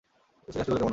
সেই কাজটি করলে কেমন হয়?